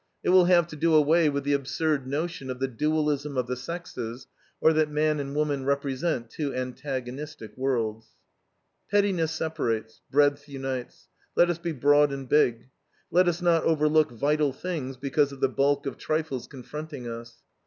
It will have to do away with the absurd notion of the dualism of the sexes, or that man and woman represent two antagonistic worlds. Pettiness separates; breadth unites. Let us be broad and big. Let us not overlook vital things because of the bulk of trifles confronting us.